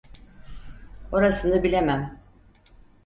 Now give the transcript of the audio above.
Orasını bilemem.